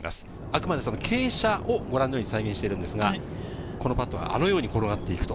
あくまで傾斜をご覧のように再現してるんですが、このパットがあのように転がっていく。